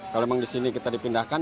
kalau memang di sini kita dipindahkan